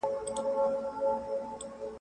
که ميرمن د فلاني کور ته ورغله، طلاق څه کیږي؟